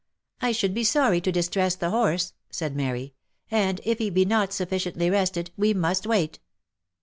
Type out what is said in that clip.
" I should be sorry to distress the horse," said Mary, (( and if he be not sufficiently rested, we must wait."